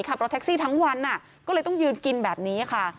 ขับรถแท็กซี่ทั้งวันก็เลยต้องยืนกินแบบนี้ค่ะ